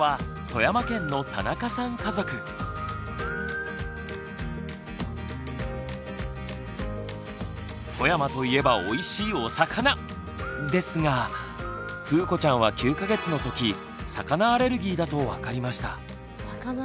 富山といえばおいしいお魚！ですがふうこちゃんは９か月の時魚アレルギーだと分かりました。